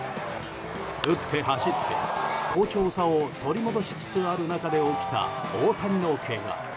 打って走って、好調さを取り戻しつつある中で起きた大谷のけが。